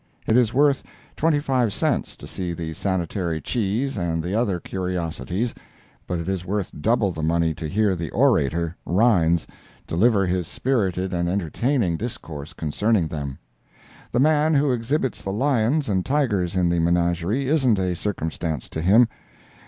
It is worth twenty five cents to see the Sanitary cheese and the other curiosities, but it is worth double the money to hear the orator, Rines, deliver his spirited and entertaining discourse concerning them. The man who exhibits the lions and tigers in the menagerie isn't a circumstance to him.